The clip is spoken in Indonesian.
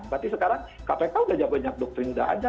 berarti sekarang kpk sudah banyak doktrin sudah ada